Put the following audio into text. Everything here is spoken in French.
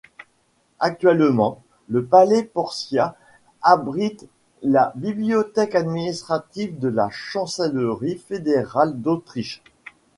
Actuellement, le Palais Porcia abrite la Bibliothèque Administrative de la Chancellerie Fédérale d'Autriche.